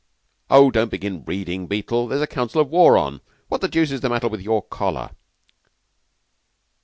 Oh, don't begin reading, Beetle; there's a council of war on. What the deuce is the matter with your collar?"